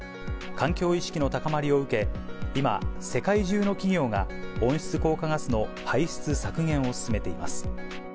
環境意識の高まりを受け、今、世界中の企業が温室効果ガスの排出削減を進めています。